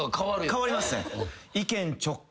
変わりますね。